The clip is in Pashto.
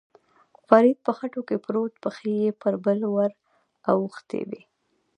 فرید په خټو کې پروت، پښې یې پر پل ور اوښتې وې.